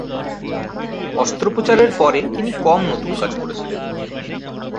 অস্ত্রোপচারের পরে তিনি কম নতুন কাজ করেছিলেন।